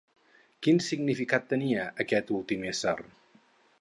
Quin significat tenia aquest últim ésser?